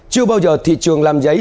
chưa bao giờ thị trường làm giấy